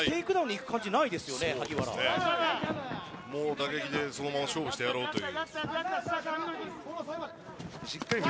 打撃でそのまま勝負してやろうという。